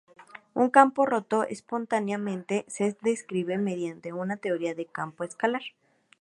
Un campo roto espontáneamente se describe mediante una teoría de campo escalar.